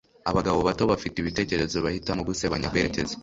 Abagabo bato bafite ibitekerezo bahitamo gusebanya kwerekeza